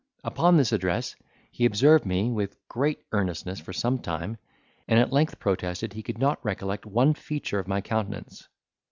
Upon this address he observed me with great earnestness for some time, and at length protested he could not recollect one feature of my countenance.